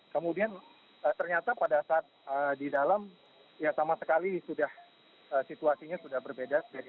kemudian ternyata pada saat di dalam ya sama sekali situasinya sudah berbeda